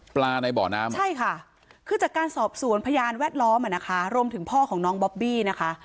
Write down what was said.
ในบ่อน้ำใช่ค่ะคือจากการสอบสวนพยานแวดล้อมอ่ะนะคะรวมถึงพ่อของน้องบอบบี้นะคะ